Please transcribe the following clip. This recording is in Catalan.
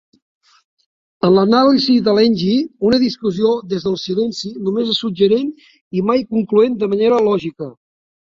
En l'anàlisi de Lange, una discussió des del silenci només és suggerent i mai concloent de manera lògica.